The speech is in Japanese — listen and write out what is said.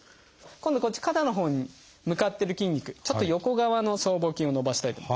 今度こっち肩のほうに向かってる筋肉ちょっと横側の僧帽筋を伸ばしたいとき。